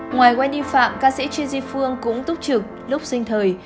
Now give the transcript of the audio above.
ngoài wendy phạm ca sĩ chi di phương cũng túc trực lúc sinh thời